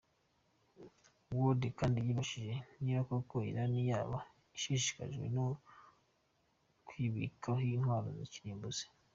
Ward kandi yibajije niba koko Iran yaba ishishikajwe no kwibikaho intwaro kirimbuzi.